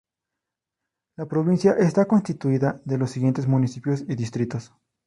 La provincia está constituida de los siguientes Municipios y Distritos.